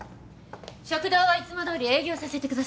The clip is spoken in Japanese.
食堂はいつもどおり営業させてください。